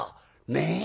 ねえ。